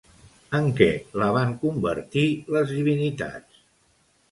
En què la van convertir les divinitats?